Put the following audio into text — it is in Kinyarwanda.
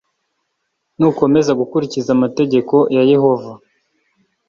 nukomeza gukurikiza amategeko+ ya yehova